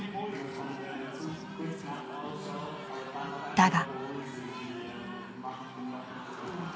だが。